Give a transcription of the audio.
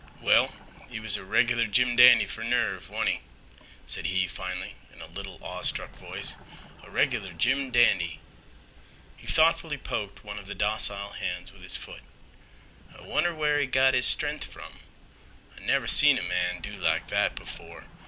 "Well, he was a reg'lar jim dandy fer nerve, wa'n't he," said he finally in a little awestruck voice. "A reg'lar jim dandy." He thoughtfully poked one of the docile hands with his foot. "I wonner where he got 'is stren'th from? I never seen a man do like that before.